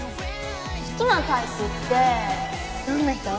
好きなタイプってどんな人？